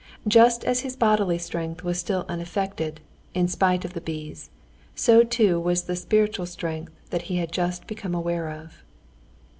Just as his bodily strength was still unaffected, in spite of the bees, so too was the spiritual strength that he had just become aware of.